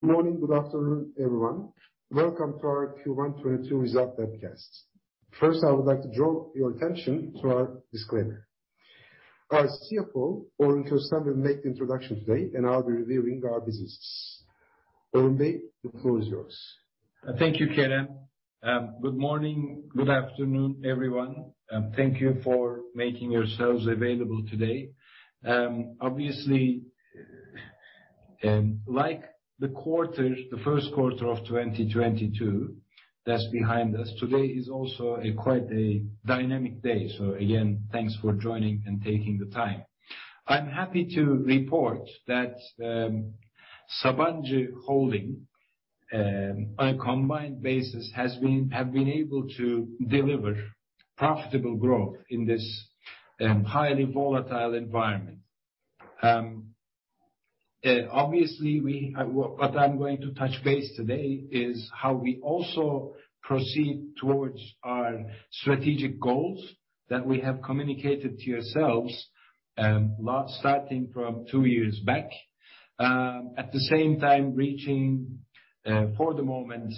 Morning, good afternoon, everyone. Welcome to our Q1 2022 results webcast. First, I would like to draw your attention to our disclaimer. Our CFO, N. Orhun Köstem will make the introduction today, and I'll be reviewing our businesses. N. Orhun Köstem, the floor is yours. Thank you, Kerem. Good morning, good afternoon, everyone, and thank you for making yourselves available today. Obviously, like the quarter, the first quarter of 2022, that's behind us, today is also quite a dynamic day. Again, thanks for joining and taking the time. I'm happy to report that, Sabancı Holding, on a combined basis have been able to deliver profitable growth in this, highly volatile environment. Obviously, what I'm going to touch base today is how we also proceed towards our strategic goals that we have communicated to yourselves, starting from two years back. At the same time reaching, for the moment,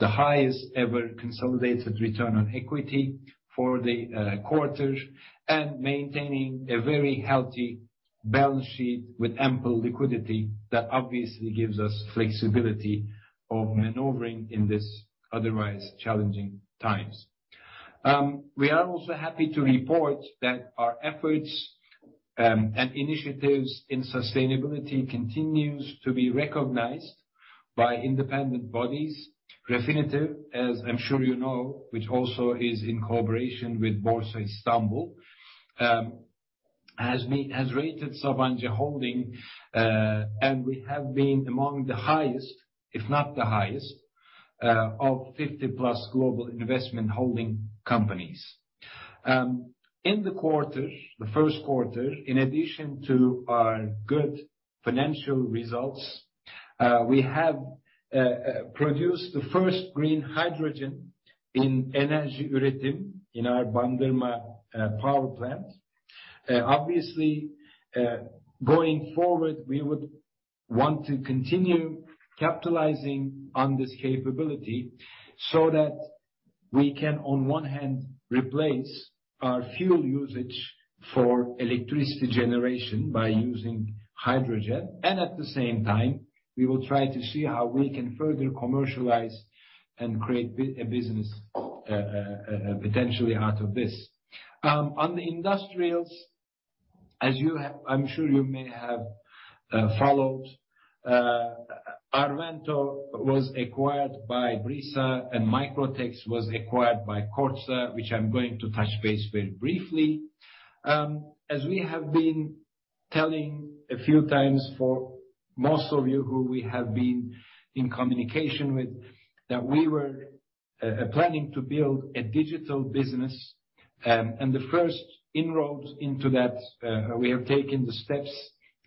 the highest ever consolidated return on equity for the quarter, and maintaining a very healthy balance sheet with ample liquidity that obviously gives us flexibility of maneuvering in this otherwise challenging times. We are also happy to report that our efforts and initiatives in sustainability continues to be recognized by independent bodies. Refinitiv, as I'm sure you know, which also is in cooperation with Borsa Istanbul, has rated Sabancı Holding, and we have been among the highest, if not the highest, of 50+ global investment holding companies. In the quarter, the first quarter, in addition to our good financial results, we have produced the first green hydrogen in Enerjisa Üretim in our Bandırma power plant. Obviously, going forward, we would want to continue capitalizing on this capability so that we can, on one hand, replace our fuel usage for electricity generation by using hydrogen, and at the same time, we will try to see how we can further commercialize and create a business, potentially out of this. On the industrials, as you have followed, I'm sure you may have. Arvento was acquired by Brisa and Microtex was acquired by Kordsa, which I'm going to touch base very briefly. As we have been telling a few times for most of you who we have been in communication with, that we were planning to build a digital business. The first inroads into that, we have taken the steps,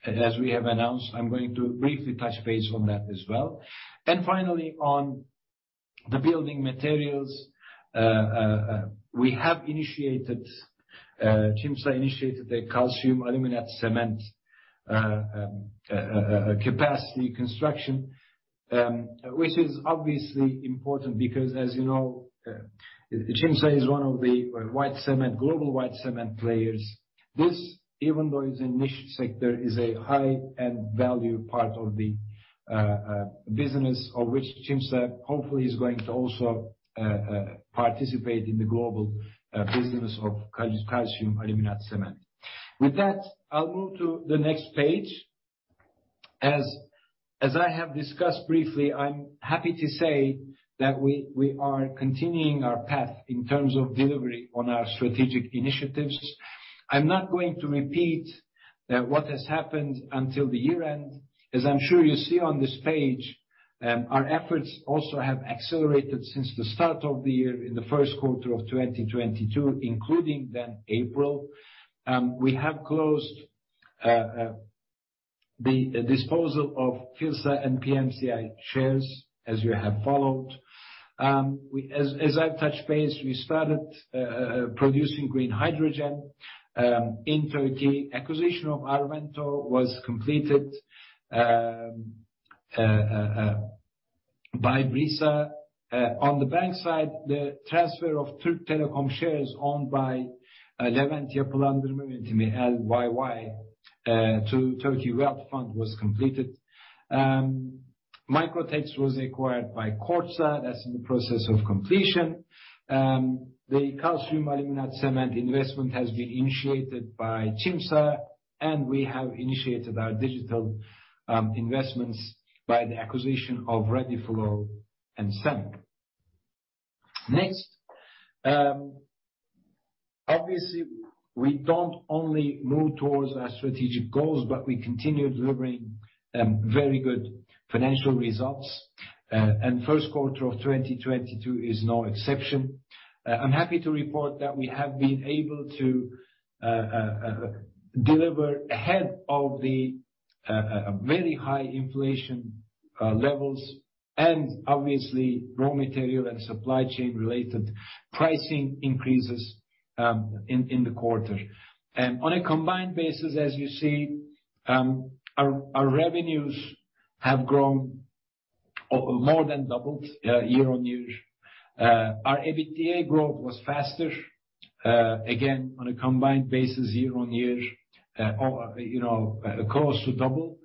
as we have announced. I'm going to briefly touch base on that as well. Finally, on the building materials, Çimsa initiated a calcium aluminate cement capacity construction, which is obviously important because as you know, Çimsa is one of the white cement global white cement players. This, even though it's a niche sector, is a high-end value part of the business of which Çimsa hopefully is going to also participate in the global business of calcium aluminate cement. With that, I'll move to the next page. As I have discussed briefly, I'm happy to say that we are continuing our path in terms of delivery on our strategic initiatives. I'm not going to repeat what has happened until the year-end. As I'm sure you see on this page, our efforts also have accelerated since the start of the year in the first quarter of 2022, including then April. We have closed the disposal of PHILSA and PMSA shares, as you have followed. As I've touched base, we started producing green hydrogen in Turkey. Acquisition of Arvento was completed by Brisa. On the bank side, the transfer of Türk Telekom shares owned by Levent Yapılandırma Yönetimi A.Ş. (LYY) to Türkiye Wealth Fund was completed. Microtex was acquired by Kordsa. That's in the process of completion. The calcium aluminate cement investment has been initiated by Çimsa, and we have initiated our digital investments by the acquisition of Radiflow and SEM. Next, obviously, we don't only move towards our strategic goals, but we continue delivering very good financial results. First quarter of 2022 is no exception. I'm happy to report that we have been able to deliver ahead of the very high inflation levels and obviously raw material and supply chain related pricing increases in the quarter. On a combined basis, as you see, our revenues have grown or more than doubled year-on-year. Our EBITDA growth was faster again, on a combined basis year-on-year, you know, close to double.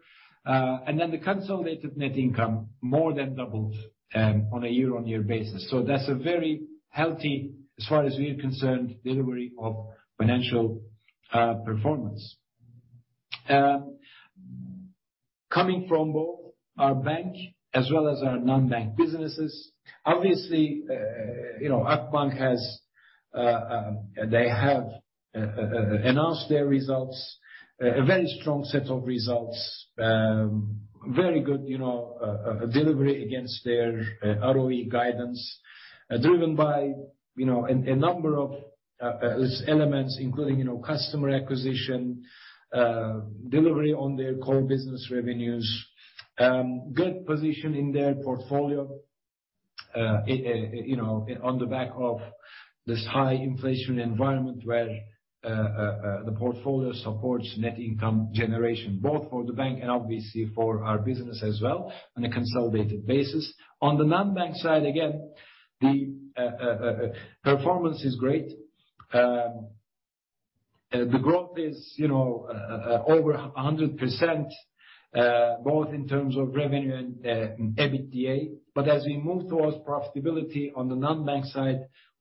The consolidated net income more than doubled on a year-on-year basis. That's a very healthy, as far as we're concerned, delivery of financial performance. Coming from both our bank as well as our non-bank businesses. Obviously, you know, Akbank has announced their results, a very strong set of results, very good, you know, delivery against their ROE guidance, driven by, you know, a number of elements including, you know, customer acquisition, delivery on their core business revenues, good position in their portfolio, you know, on the back of this high inflation environment where the portfolio supports net income generation, both for the bank and obviously for our business as well on a consolidated basis. On the non-bank side, again, the performance is great. The growth is, you know, over 100%, both in terms of revenue and EBITDA. As we move towards profitability on the non-bank side,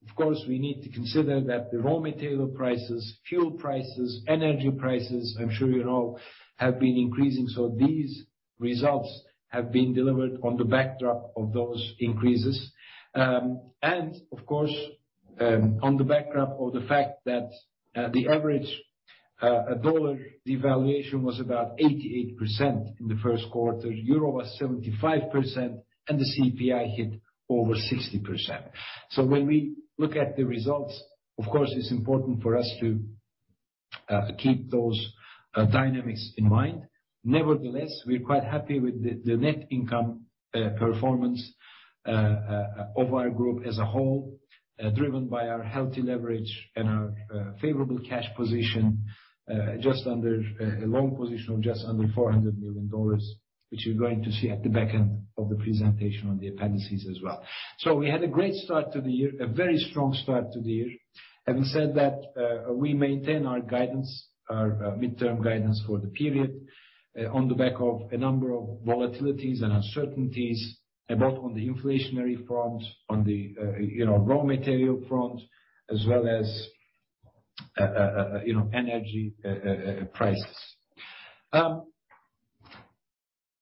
of course, we need to consider that the raw material prices, fuel prices, energy prices, I'm sure you know, have been increasing. These results have been delivered on the backdrop of those increases. Of course, on the backdrop of the fact that the average dollar devaluation was about 88% in the first quarter, euro was 75%, and the CPI hit over 60%. When we look at the results, of course, it's important for us to keep those dynamics in mind. Nevertheless, we're quite happy with the net income performance of our group as a whole, driven by our healthy leverage and our favorable cash position, just under a long position of just under $400 million, which you're going to see at the back end of the presentation on the appendices as well. We had a great start to the year, a very strong start to the year. Having said that, we maintain our guidance, our midterm guidance for the period, on the back of a number of volatilities and uncertainties, both on the inflationary front, on the, you know, raw material front, as well as, you know, energy prices.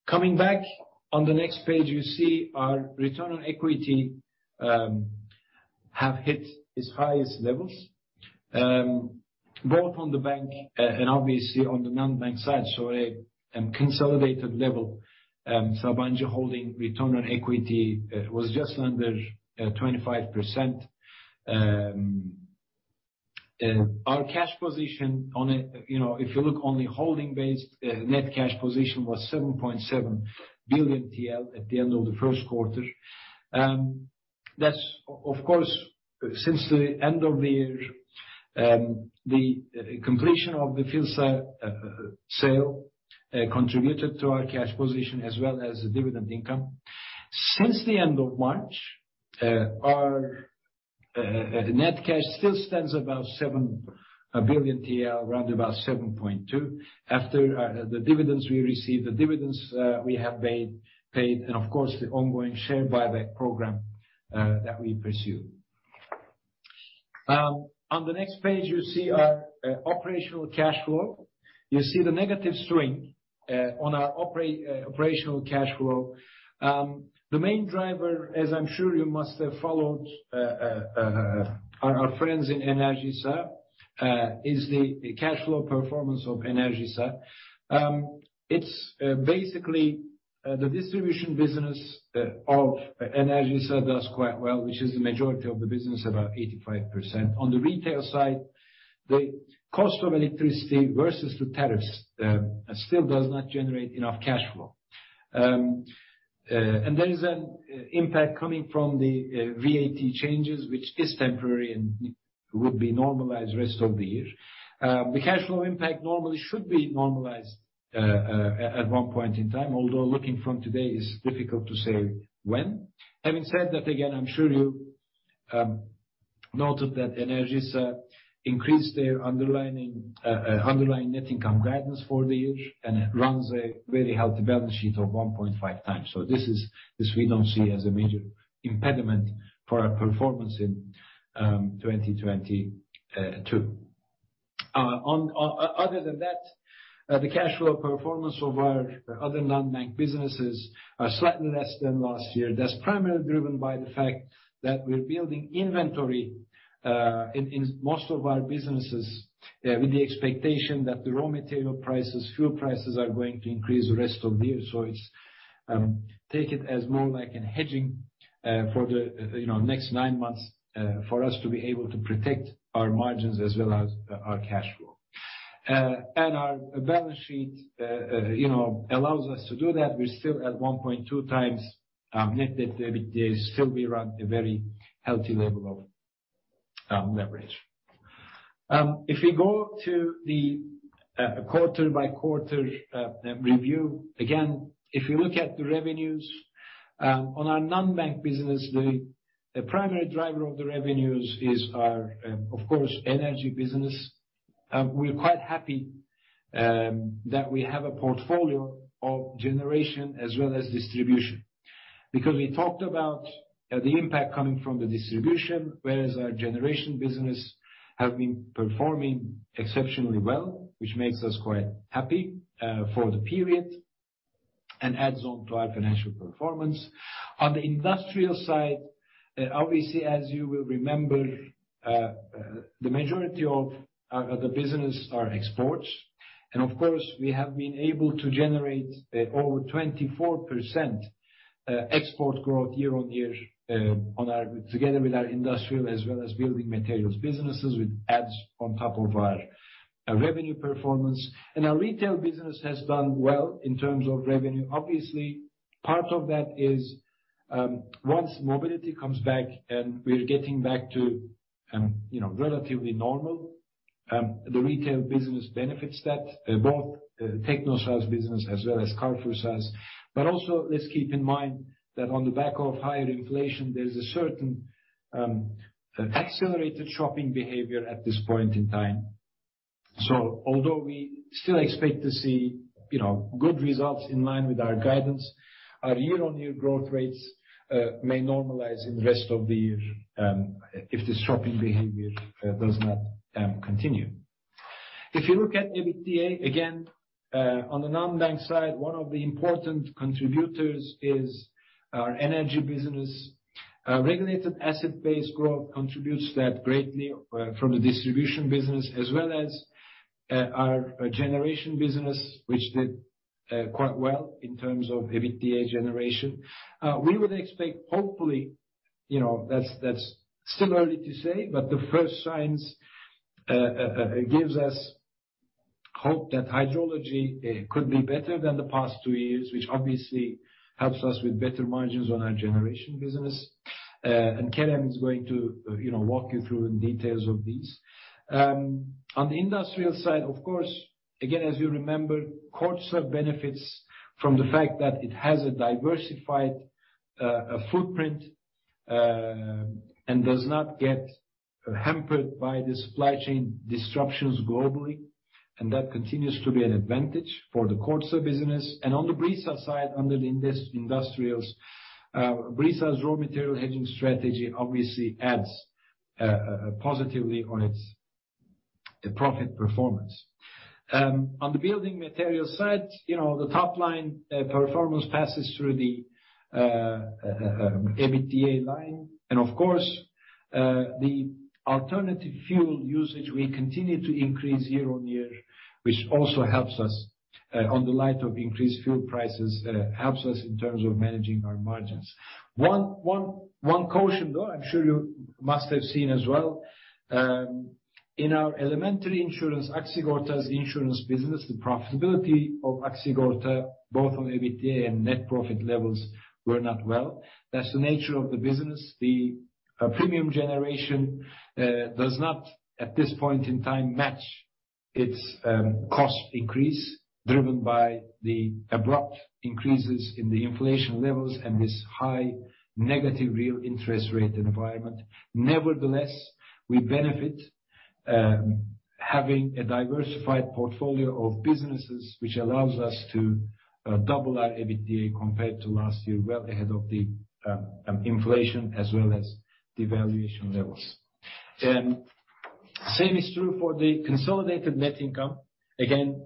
Coming back on the next page, you see our return on equity have hit its highest levels both on the bank and obviously on the non-bank side. At a consolidated level, Sabancı Holding return on equity was just under 25%. Our cash position. You know, if you look on the holding basis, net cash position was 7.7 billion TL at the end of the first quarter. That's of course, since the end of the year, the completion of the PHILSA sale contributed to our cash position as well as the dividend income. Since the end of March, our net cash still stands about 7 billion TL, around about 7.2. After the dividends we received, we have paid, and of course, the ongoing share buyback program that we pursue. On the next page, you see our operational cash flow. You see the negative swing on our operational cash flow. The main driver, as I'm sure you must have followed, our friends in Enerjisa, is the cash flow performance of Enerjisa. It's basically the distribution business of Enerjisa does quite well, which is the majority of the business, about 85%. On the retail side, the cost of electricity versus the tariffs still does not generate enough cash flow. There is an impact coming from the VAT changes, which is temporary and will be normalized rest of the year. The cash flow impact normally should be normalized at one point in time, although looking from today is difficult to say when. Having said that, again, I'm sure you noted that Enerjisa increased their underlying net income guidance for the year, and it runs a very healthy balance sheet of 1.5x. This we don't see as a major impediment for our performance in 2022. Other than that, the cash flow performance of our other non-bank businesses are slightly less than last year. That's primarily driven by the fact that we're building inventory in most of our businesses with the expectation that the raw material prices, fuel prices are going to increase the rest of the year. It's take it as more like a hedging for the you know next nine months for us to be able to protect our margins as well as our cash flow. Our balance sheet you know allows us to do that. We're still at 1.2x net debt to EBITDA. Still we run a very healthy level of leverage. If we go to the quarter by quarter review. Again, if you look at the revenues on our non-bank business, the primary driver of the revenues is our of course energy business. We're quite happy that we have a portfolio of generation as well as distribution. Because we talked about the impact coming from the distribution, whereas our generation business have been performing exceptionally well, which makes us quite happy for the period and adds on to our financial performance. On the industrial side, obviously, as you will remember, the majority of our business are exports. Of course, we have been able to generate over 24% export growth year-on-year together with our industrial as well as building materials businesses, which adds on top of our revenue performance. Our retail business has done well in terms of revenue. Obviously, part of that is once mobility comes back and we're getting back to you know, relatively normal, the retail business benefits. That both Teknosa's business as well as CarrefourSA's. Also, let's keep in mind that on the back of higher inflation, there's a certain, accelerated shopping behavior at this point in time. Although we still expect to see, you know, good results in line with our guidance, our year-on-year growth rates may normalize in the rest of the year, if this shopping behavior does not continue. If you look at EBITDA, again, on the non-bank side, one of the important contributors is our energy business. Regulated asset base growth contributes to that greatly, from the distribution business, as well as, our generation business, which did, quite well in terms of EBITDA generation. We would expect, hopefully, you know, that's still early to say, but the first signs gives us hope that hydrology could be better than the past two years, which obviously helps us with better margins on our generation business. Kerem is going to, you know, walk you through the details of these. On the industrial side, of course, again, as you remember, Kordsa benefits from the fact that it has a diversified footprint, and does not get hampered by the supply chain disruptions globally, and that continues to be an advantage for the Kordsa business. On the Brisa side, under the industrials, Brisa's raw material hedging strategy obviously adds positively on its profit performance. On the building material side, you know, the top line performance passes through the EBITDA line. Of course, the alternative fuel usage will continue to increase year-on-year, which also helps us, in light of increased fuel prices, helps us in terms of managing our margins. One caution, though, I'm sure you must have seen as well, in our non-life insurance, Aksigorta's insurance business, the profitability of Aksigorta, both on EBITDA and net profit levels were not well. That's the nature of the business. The premium generation does not, at this point in time, match its cost increase driven by the abrupt increases in the inflation levels and this high negative real interest rate environment. Nevertheless, we benefit having a diversified portfolio of businesses which allows us to double our EBITDA compared to last year, well ahead of the inflation as well as devaluation levels. Same is true for the consolidated net income. Again,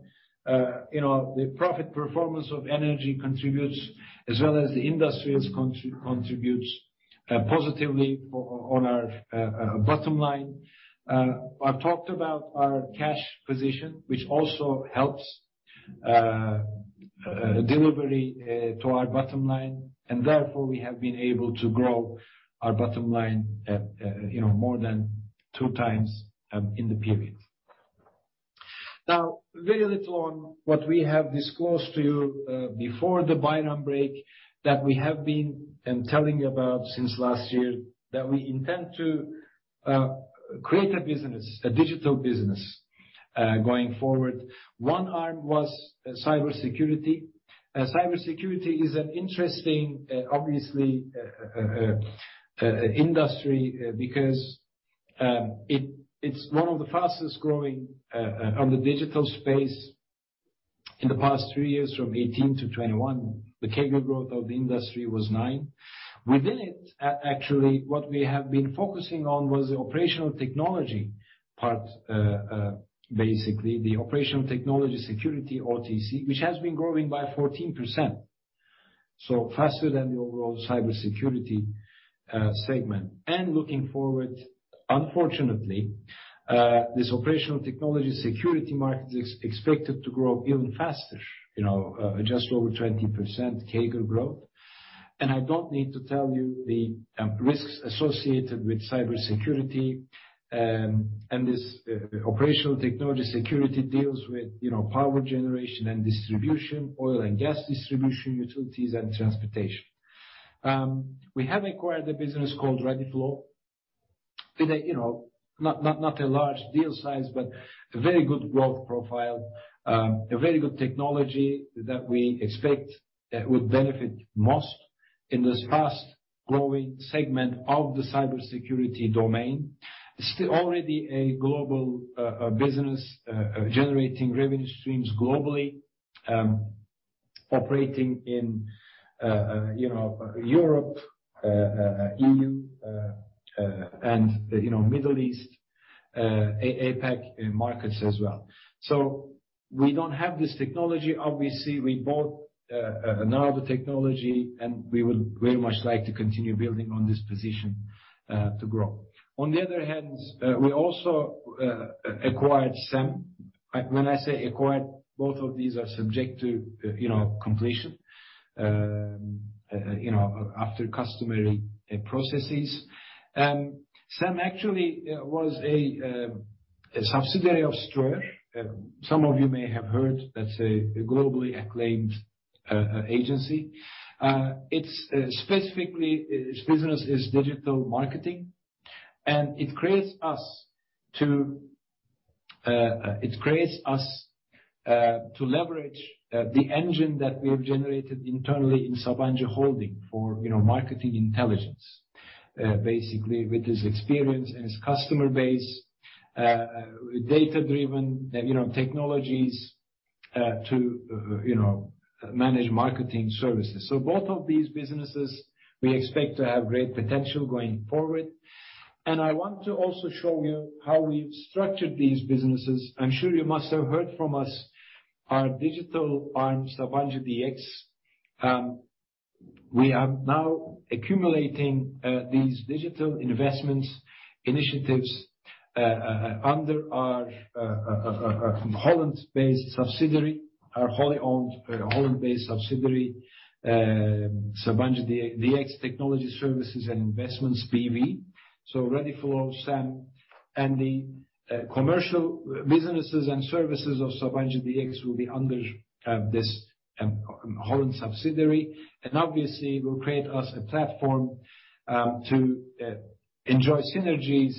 you know, the profit performance of energy contributes, as well as the industrials contributes positively on our bottom line. I've talked about our cash position, which also helps delivery to our bottom line, and therefore we have been able to grow our bottom line, you know, more than two times in the period. Now, very little on what we have disclosed to you before the Bayram break, that we have been telling you about since last year, that we intend to create a business, a digital business going forward. One arm was cybersecurity. Cybersecurity is an interesting, obviously, industry, because it's one of the fastest growing on the digital space in the past three years, from 2018-2021. The CAGR growth of the industry was 9%. Within it, actually, what we have been focusing on was the operational technology part, basically. The operational technology security, OT, which has been growing by 14%, so faster than the overall cybersecurity segment. Looking forward, unfortunately, this operational technology security market is expected to grow even faster, you know, just over 20% CAGR growth. I don't need to tell you the risks associated with cybersecurity, and this operational technology security deals with, you know, power generation and distribution, oil and gas distribution, utilities and transportation. We have acquired a business called Radiflow. With a, you know, not a large deal size, but a very good growth profile, a very good technology that we expect would benefit most in this fast-growing segment of the cybersecurity domain. It's already a global business generating revenue streams globally, operating in, you know, Europe, EU, and, you know, Middle East, APAC markets as well. We don't have this technology. Obviously, we bought another technology, and we would very much like to continue building on this position to grow. On the other hand, we also acquired SEM. When I say acquired, both of these are subject to, you know, completion after customary processes. SEM actually was a subsidiary of Ströer. Some of you may have heard. That's a globally acclaimed agency. It's specifically its business is digital marketing, and it enables us to leverage the engine that we have generated internally in Sabancı Holding for, you know, marketing intelligence, basically with its experience and its customer base, data-driven, you know, technologies, to, you know, manage marketing services. Both of these businesses, we expect to have great potential going forward. I want to also show you how we've structured these businesses. I'm sure you must have heard from us our digital arm, SabancıDx. We are now accumulating these digital investments initiatives under our wholly owned Holland-based subsidiary, Sabancı Dx Technology Services and Investment BV. Radiflow, SEM, and the commercial businesses and services of SabancıDx will be under this Holland subsidiary, and obviously will create us a platform to enjoy synergies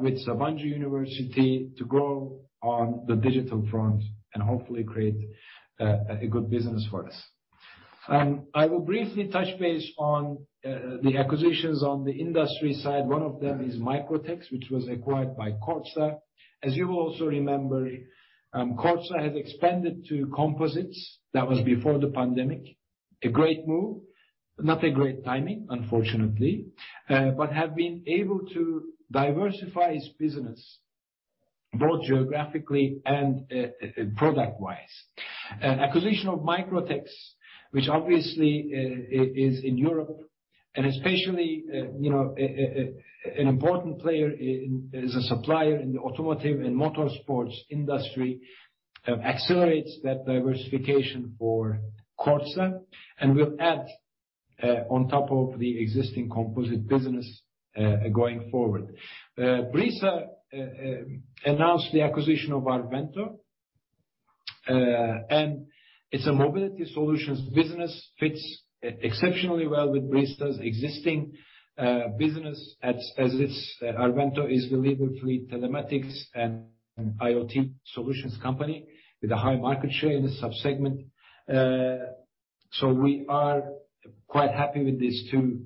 with Sabancı University to grow on the digital front and hopefully create a good business for us. I will briefly touch base on the acquisitions on the industry side. One of them is Microtex, which was acquired by Kordsa. As you will also remember, Kordsa has expanded to composites. That was before the pandemic. A great move, not a great timing, unfortunately, but have been able to diversify its business both geographically and product wise. Acquisition of Microtex, which obviously is in Europe and especially, you know, an important player in as a supplier in the automotive and motorsports industry, accelerates that diversification for Kordsa and will add on top of the existing composite business going forward. Brisa announced the acquisition of Arvento, and it's a mobility solutions business, fits exceptionally well with Brisa's existing business as is. Arvento is a leading fleet telematics and IoT solutions company with a high market share in the sub-segment. So we are quite happy with these two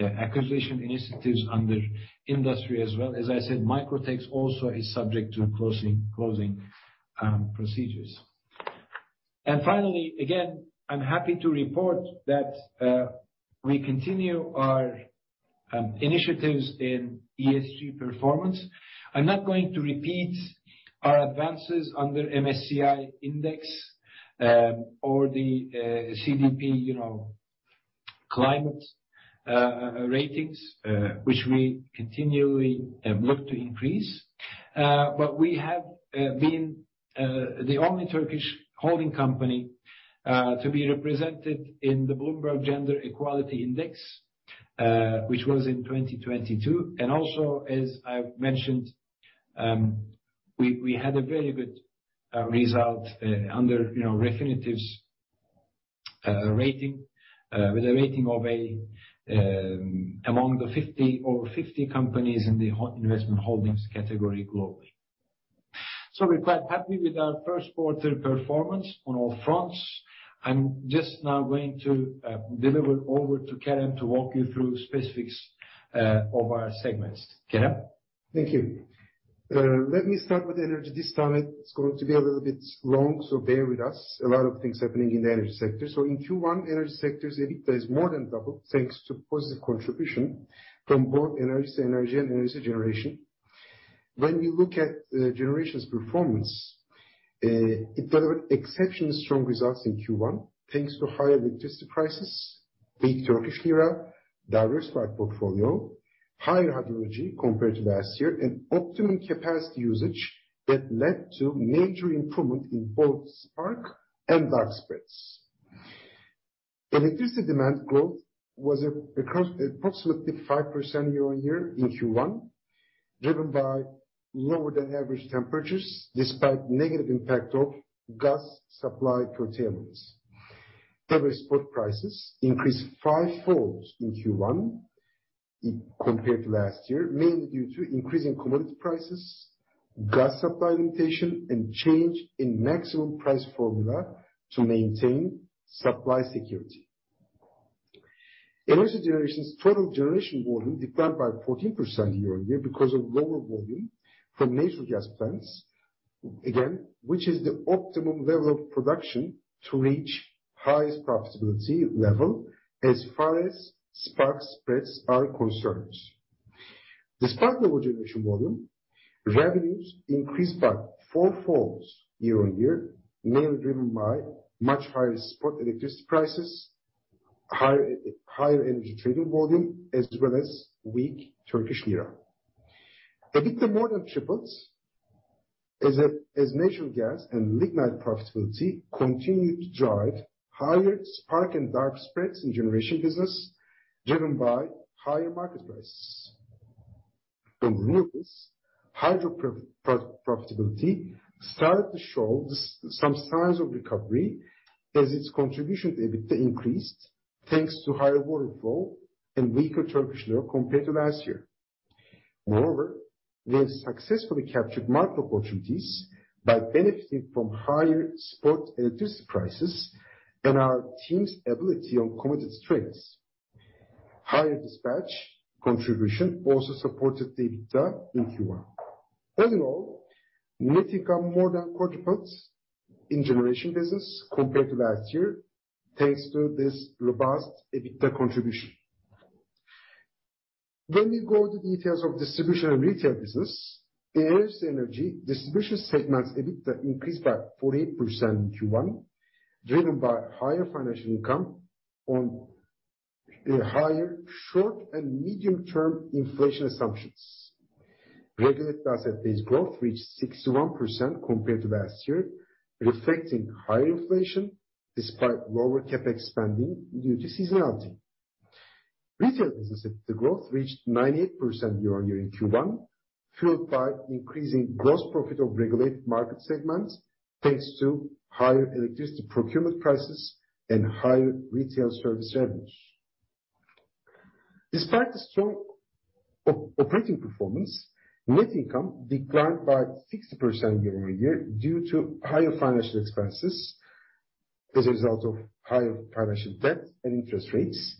acquisition initiatives under industry as well. As I said, Microtex also is subject to closing procedures. Finally, again, I'm happy to report that we continue our initiatives in ESG performance. I'm not going to repeat our advances under MSCI Index or the CDP, you know, climate ratings, which we continually look to increase. But we have been the only Turkish holding company to be represented in the Bloomberg Gender-Equality Index, which was in 2022. Also, as I mentioned, we had a very good result under Refinitiv's rating with a rating of A among the over 50 companies in the investment holdings category globally. We're quite happy with our first quarter performance on all fronts. I'm just now going to deliver over to Kerem to walk you through specifics of our segments. Kerem? Thank you. Let me start with energy. This time it's going to be a little bit long, so bear with us. A lot of things happening in the energy sector. In Q1, energy sector's EBITDA is more than double, thanks to positive contribution from both Enerjisa Enerji and Enerjisa Üretim. When we look at the generation's performance, it delivered exceptionally strong results in Q1, thanks to higher electricity prices, weak Turkish lira, diversified portfolio. Higher hydrology compared to last year and optimum capacity usage that led to major improvement in both spark spread and dark spread. Electricity demand growth was approximately 5% year-over-year in Q1, driven by lower than average temperatures despite negative impact of gas supply curtailments. Heavy spot prices increased five-fold in Q1 compared to last year, mainly due to increase in commodity prices, gas supply limitation, and change in maximum price formula to maintain supply security. Enerjisa's total generation volume declined by 14% year-on-year because of lower volume from natural gas plants, again, which is the optimum level of production to reach highest profitability level as far as spark spreads are concerned. Despite lower generation volume, revenues increased four-fold year-on-year, mainly driven by much higher spot electricity prices, higher energy trading volume, as well as weak Turkish lira. EBITDA more than triples as natural gas and lignite profitability continued to drive higher spark and dark spreads in generation business driven by higher market prices. From renewables, hydro profitability started to show some signs of recovery as its contribution to EBITDA increased thanks to higher water flow and weaker Turkish lira compared to last year. Moreover, we have successfully captured market opportunities by benefiting from higher spot electricity prices and our team's ability on commodity trades. Higher dispatch contribution also supported the EBITDA in Q1. All in all, net income more than quadruples in generation business compared to last year, thanks to this robust EBITDA contribution. When we go to details of distribution and retail business, Enerjisa Enerji distribution segment's EBITDA increased by 48% in Q1, driven by higher financial income on higher short and medium term inflation assumptions. Regulated asset base growth reached 61% compared to last year, reflecting higher inflation despite lower CapEx spending due to seasonality. Retail business EBITDA growth reached 98% year-on-year in Q1, fueled by increasing gross profit of regulated market segments, thanks to higher electricity procurement prices and higher retail service revenues. Despite the strong operating performance, net income declined by 60% year-on-year due to higher financial expenses as a result of higher financial debt and interest rates,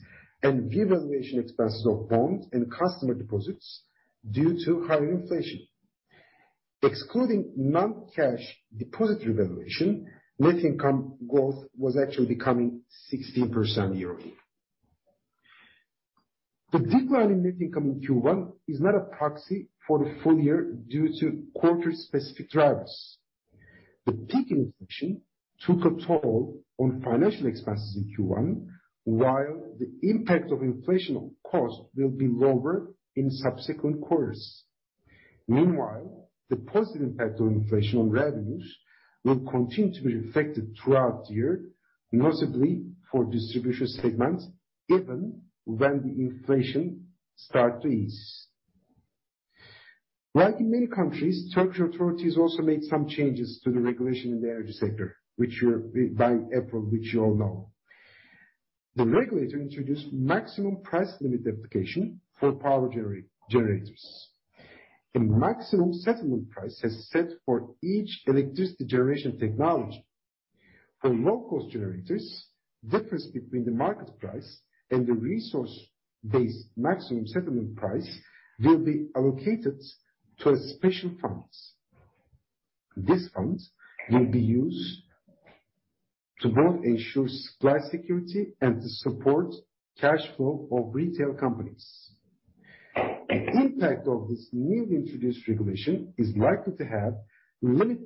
and revaluation expenses of bonds and customer deposits due to higher inflation. Excluding non-cash deposit revaluation, net income growth was actually becoming 16% year-over-year. The decline in net income in Q1 is not a proxy for the full year due to quarter-specific drivers. The peak inflation took a toll on financial expenses in Q1, while the impact of inflation on cost will be lower in subsequent quarters. Meanwhile, the positive impact of inflation on revenues will continue to be reflected throughout the year, noticeably for distribution segment, even when the inflation start to ease. Like in many countries, Turkish authorities also made some changes to the regulation in the energy sector, which were by April, which you all know. The regulator introduced maximum price limit application for power generators. The maximum settlement price has set for each electricity generation technology. For low cost generators, difference between the market price and the regulated asset base maximum settlement price will be allocated to a special fund. This fund will be used to both ensure supply security and to support cash flow of retail companies. The impact of this newly introduced regulation is likely to have limited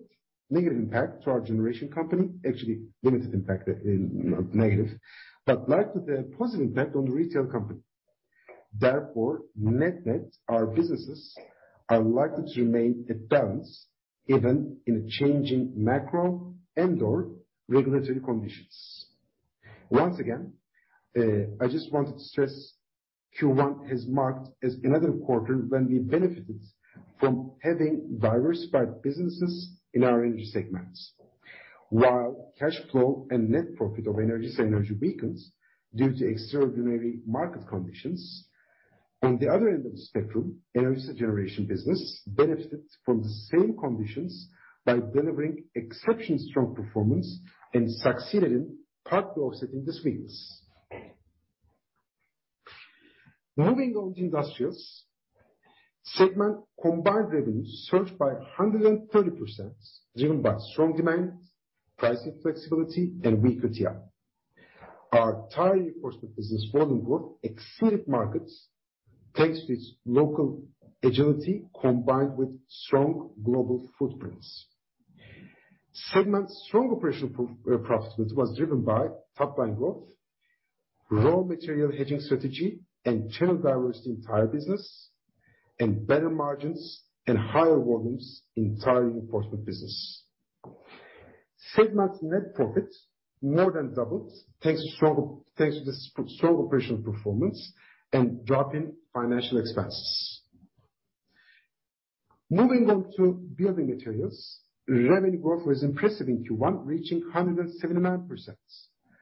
negative impact to our generation company. Actually, limited impact, not negative, but likely to have positive impact on the retail company. Therefore, net-net, our businesses are likely to remain at balance even in a changing macro and/or regulatory conditions. Once again, I just wanted to stress Q1 has marked as another quarter when we benefited from having diversified businesses in our energy segments. While cash flow and net profit of Enerjisa Enerji weakens due to extraordinary market conditions, on the other end of the spectrum, Enerjisa Üretim business benefited from the same conditions by delivering exceptional strong performance and succeeded in partly offsetting this weakness. Moving on to Industrials segment combined revenues surged by 130% driven by strong demand, pricing flexibility, and weaker TR. Our tire reinforcement business volume growth exceeded markets, thanks to its local agility, combined with strong global footprints. Segment strong operational profitability was driven by top line growth, raw material hedging strategy, and channel diversity entire business, and better margins and higher volumes in tire reinforcement business. Segment's net profit more than doubled thanks to the strong operational performance and drop in financial expenses. Moving on to building materials. Revenue growth was impressive in Q1, reaching 179%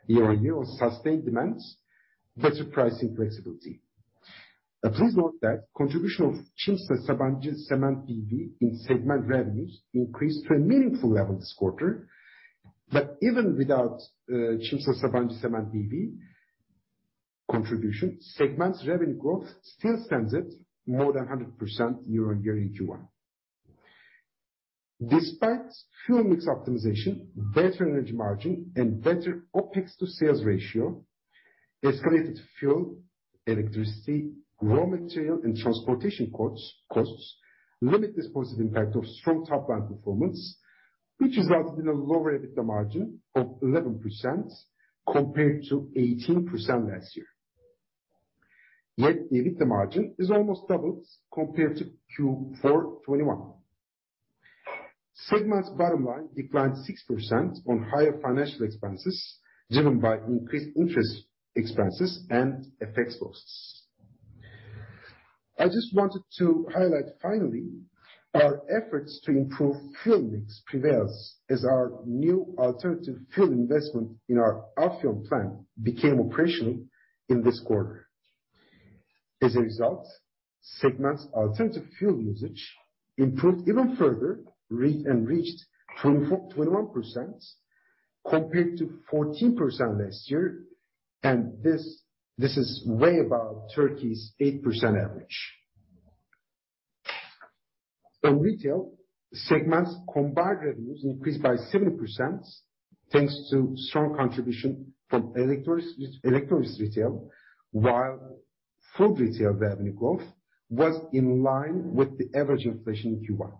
year-on-year on sustained demands, better pricing flexibility. Please note that contribution of Çimsa Sabancı Cement BV in segment revenues increased to a meaningful level this quarter. Even without Çimsa Sabancı Cement BV contribution, segment's revenue growth still stands at more than 100% year-on-year in Q1. Despite fuel mix optimization, better energy margin and better OpEx to sales ratio, escalated fuel, electricity, raw material and transportation costs limit this positive impact of strong top line performance, which resulted in a lower EBITDA margin of 11% compared to 18% last year. Net EBITDA margin is almost doubled compared to Q4 2021. Segment's bottom line declined 6% on higher financial expenses, driven by increased interest expenses and FX costs. I just wanted to highlight finally, our efforts to improve fuel mix prevails as our new alternative fuel investment in our Afyon plant became operational in this quarter. As a result, segment's alternative fuel usage improved even further and reached 21% compared to 14% last year. This is way above Turkey's 8% average. In retail, segment's combined revenues increased by 7% thanks to strong contribution from electronics retail, while food retail revenue growth was in line with the average inflation in Q1.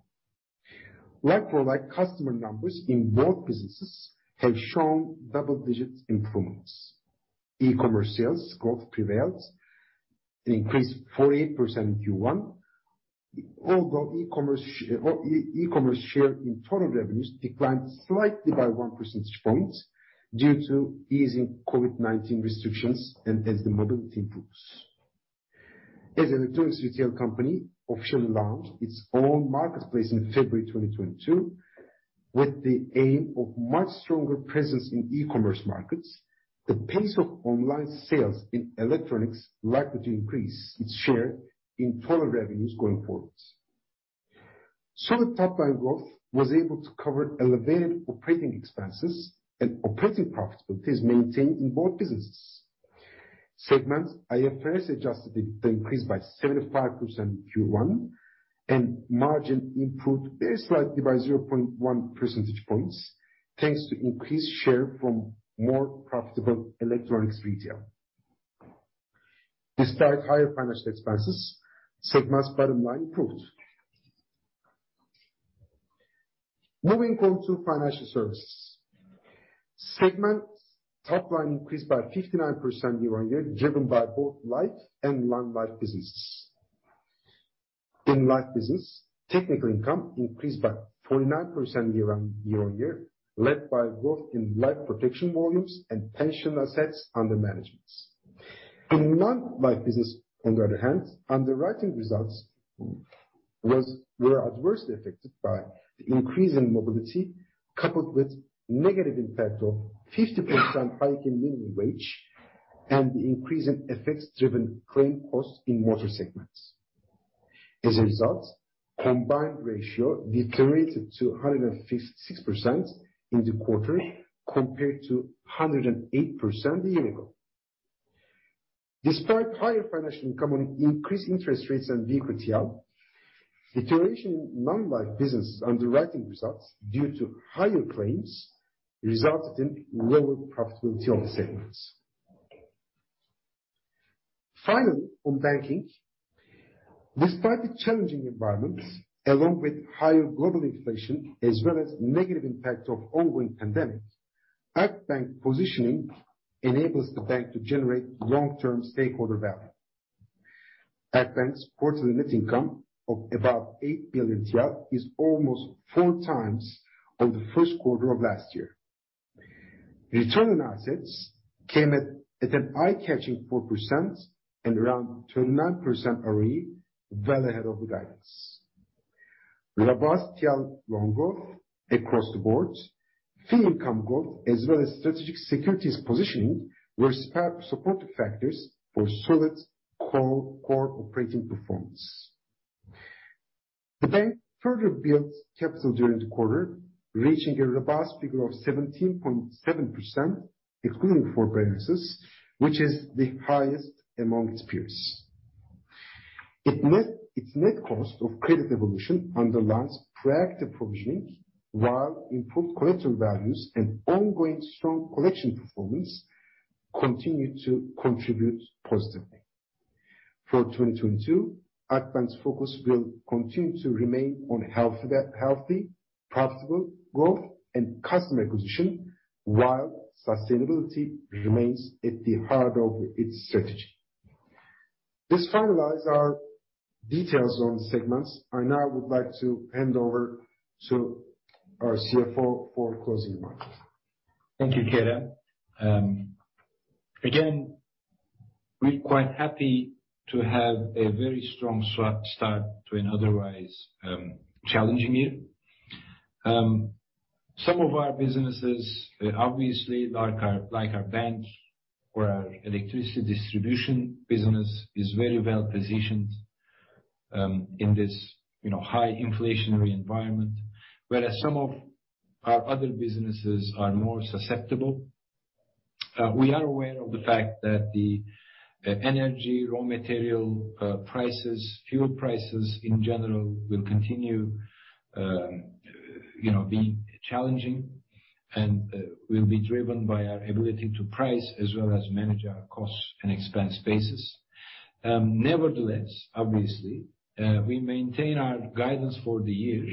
Like-for-like customer numbers in both businesses have shown double-digit improvements. E-commerce sales growth prevails, increased 48% in Q1. Although e-commerce share in total revenues declined slightly by one percentage point due to easing COVID-19 restrictions and as the mobility improves. As electronics retail company officially launched its own marketplace in February 2022, with the aim of much stronger presence in e-commerce markets, the pace of online sales in electronics likely to increase its share in total revenues going forward. Solid top line growth was able to cover elevated operating expenses and operating profitability is maintained in both businesses. Segment's IFRS-adjusted EBT increased by 75% in Q1, and margin improved very slightly by 0.1 percentage points, thanks to increased share from more profitable electronics retail. Despite higher financial expenses, segment's bottom line improved. Moving on to financial services. Segment top line increased by 59% year-on-year, driven by both life and non-life businesses. In life business, technical income increased by 29% year-on-year, led by growth in life protection volumes and pension assets under management. In non-life business, on the other hand, underwriting results were adversely affected by the increase in mobility, coupled with negative impact of 50% hike in minimum wage and the increase in FX-driven claim costs in motor segments. As a result, combined ratio deteriorated to 106% in the quarter compared to 108% a year ago. Despite higher financial income on increased interest rates and liquidity, deterioration in non-life business underwriting results due to higher claims resulted in lower profitability on the segments. Finally, on banking. Despite the challenging environment, along with higher global inflation as well as negative impact of ongoing pandemic, Akbank positioning enables the bank to generate long-term stakeholder value. Akbank's quarterly net income of about 8 billion is almost 4x than the first quarter of last year. Return on assets came at an eye-catching 4% and around 29% ROE, well ahead of the guidance. Robust loan growth across the board, fee income growth, as well as strategic securities positioning were supportive factors for solid core operating performance. The bank further built capital during the quarter, reaching a robust figure of 17.7%, excluding FX variances, which is the highest among its peers. Its net cost of credit evolution underlines proactive provisioning, while improved collection values and ongoing strong collection performance continue to contribute positively. For 2022, Akbank's focus will continue to remain on healthy profitable growth and customer acquisition, while sustainability remains at the heart of its strategy. This finalizes our details on segments. I now would like to hand over to our CFO for closing remarks. Thank you, Kerem. Again, we're quite happy to have a very strong start to an otherwise challenging year. Some of our businesses, obviously, like our bank or our electricity distribution business, is very well positioned in this, you know, high inflationary environment. Whereas some of our other businesses are more susceptible. We are aware of the fact that the energy, raw material prices, fuel prices in general will continue, you know, being challenging. Will be driven by our ability to price as well as manage our costs and expense bases. Nevertheless, obviously, we maintain our guidance for the year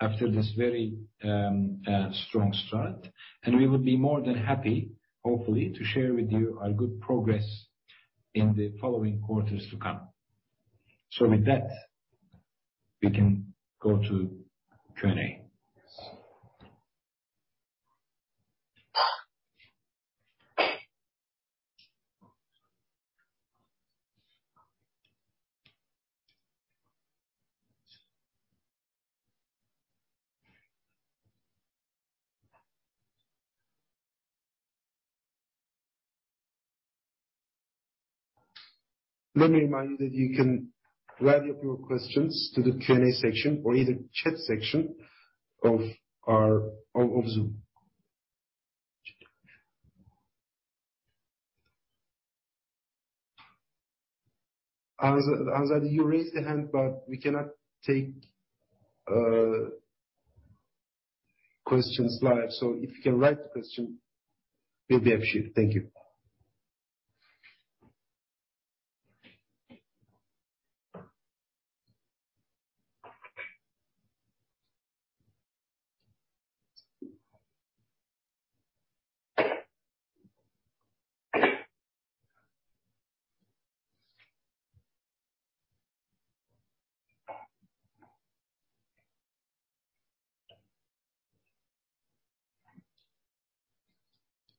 after this very strong start, and we will be more than happy, hopefully, to share with you our good progress in the following quarters to come. With that, we can go to Q&A. Yes. Let me remind you that you can write up your questions to the Q&A section or in the chat section of our Zoom. [Hamza Bey], you raised your hand, but we cannot take questions live. If you can write the question, we'll be able to see it. Thank you.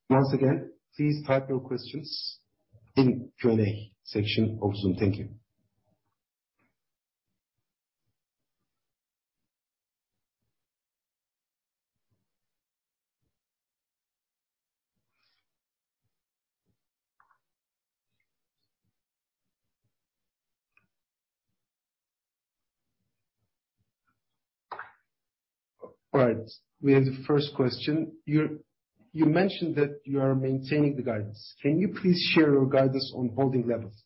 Once again, please type your questions in Q&A section of Zoom. Thank you. All right, we have the first question. You mentioned that you are maintaining the guidance. Can you please share your guidance on holding levels?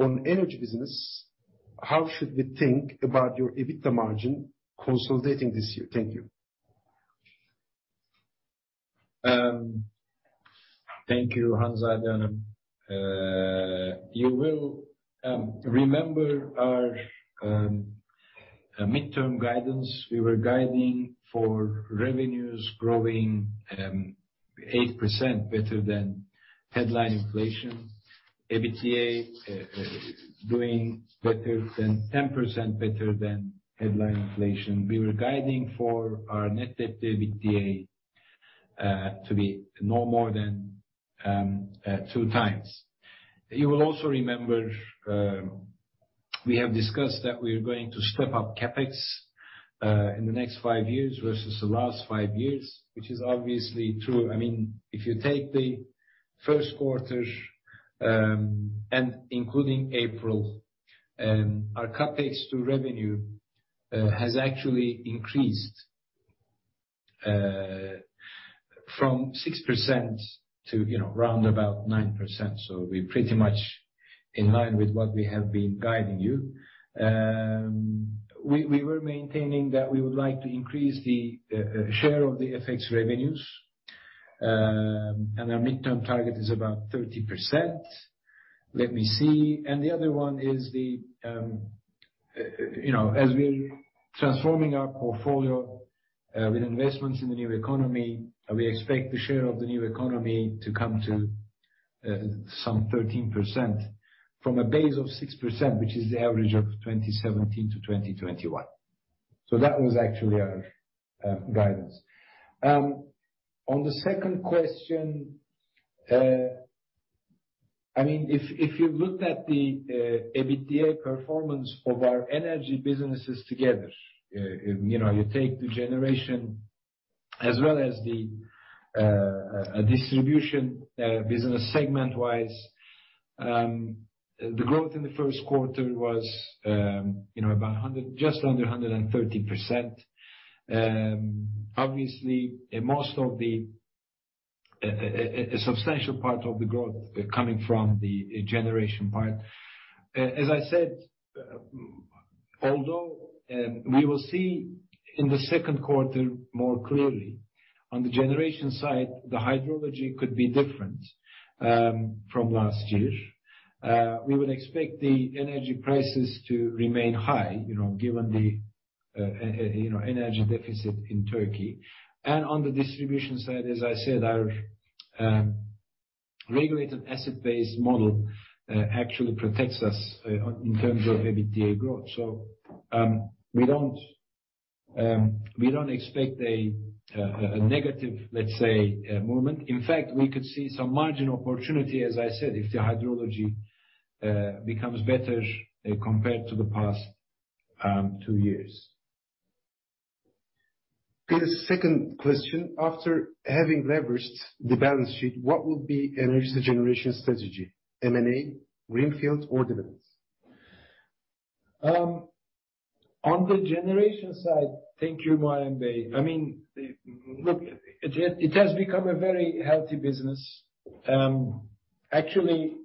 On energy business, how should we think about your EBITDA margin consolidating this year? Thank you. Thank you, [Hamza]. You will remember our midterm guidance. We were guiding for revenues growing 8% better than headline inflation. EBITDA doing better than 10% better than headline inflation. We were guiding for our net debt to EBITDA to be no more than 2x. You will also remember we have discussed that we are going to step up CapEx in the next five years versus the last five years, which is obviously true. I mean, if you take the first quarter and including April, our CapEx to revenue has actually increased from 6% to, you know, round about 9%. We're pretty much in line with what we have been guiding you. We were maintaining that we would like to increase the share of the FX revenues. Our midterm target is about 30%. Let me see. The other one is you know, as we're transforming our portfolio with investments in the new economy, we expect the share of the new economy to come to some 13% from a base of 6%, which is the average of 2017-2021. That was actually our guidance. On the second question, I mean, if you looked at the EBITDA performance of our energy businesses together, you know, you take the generation as well as the distribution business segment-wise, the growth in the first quarter was just under 130%. Obviously, most of a substantial part of the growth coming from the generation part. Although we will see in the second quarter more clearly on the generation side, the hydrology could be different from last year. We would expect the energy prices to remain high, you know, given the you know, energy deficit in Turkey. On the distribution side, as I said, our regulated asset base model actually protects us in terms of EBITDA growth. We don't expect a negative, let's say, movement. In fact, we could see some margin opportunity, as I said, if the hydrology becomes better compared to the past two years. Peter's second question: After having leveraged the balance sheet, what will be energy generation strategy? M&A, green fields or dividends? On the generation side, thank you [Hamza Bey]. I mean, look, it has become a very healthy business. Actually,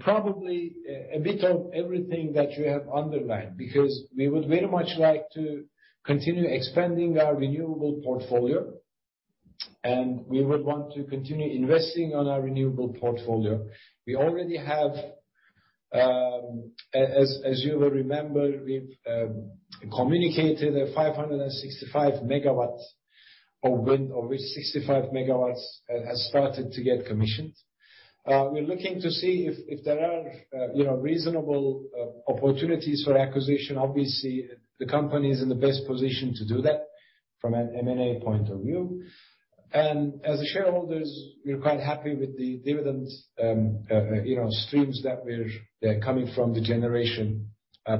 probably a bit of everything that you have underlined, because we would very much like to continue expanding our renewable portfolio, and we would want to continue investing on our renewable portfolio. We already have, as you will remember, we've communicated 565 MW of wind, of which 65 MW has started to get commissioned. We're looking to see if there are, you know, reasonable opportunities for acquisition. Obviously, the company is in the best position to do that from an M&A point of view. As shareholders, we're quite happy with the dividends, you know, streams that they're coming from the generation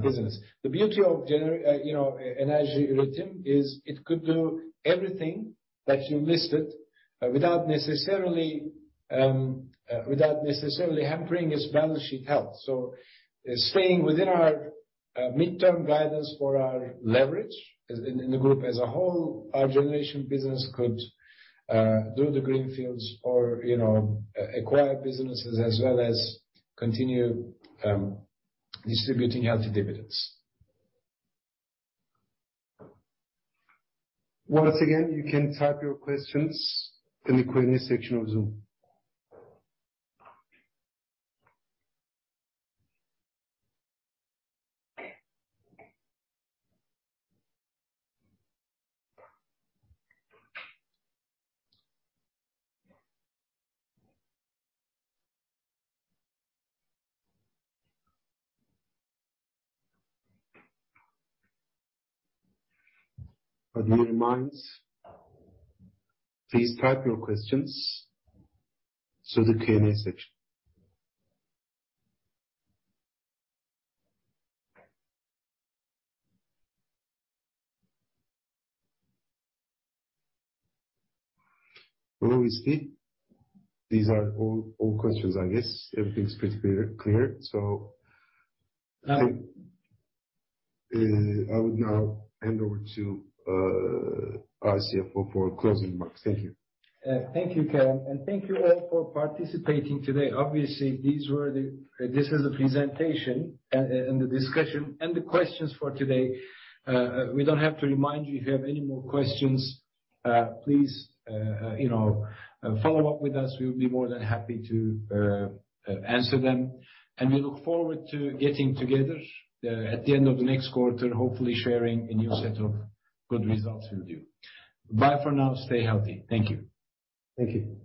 business. The beauty of, you know, Enerjisa Üretim is, it could do everything that you listed without necessarily hampering its balance sheet health. Staying within our midterm guidance for our leverage, as in the group as a whole, our generation business could do the greenfields or, you know, acquire businesses as well as continue distributing healthy dividends. Once again, you can type your questions in the Q&A section of Zoom. A little reminder, please type your questions through the Q&A section. Well, we see these are all questions, I guess. Everything's pretty clear. I would now hand over to our CFO for closing remarks. Thank you. Thank you, Kerem. Thank you all for participating today. Obviously, these were the This is the presentation and the discussion and the questions for today. We don't have to remind you, if you have any more questions, please, you know, follow up with us. We would be more than happy to answer them. We look forward to getting together at the end of the next quarter, hopefully sharing a new set of good results with you. Bye for now. Stay healthy. Thank you. Thank you.